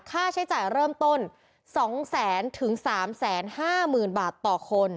ค่าใช้จ่ายเริ่มต้น๒๐๐๐๓๕๐๐๐บาทต่อคน